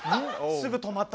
すぐ止まった。